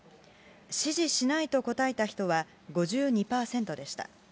支持しないと答えた人は５２％でした。